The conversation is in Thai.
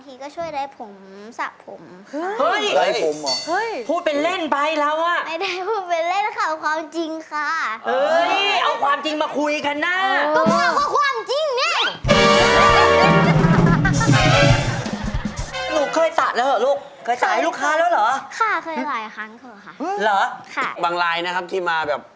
แล้วยังไงลูกหนูได้ช่วยคุณแม่ไหมคะ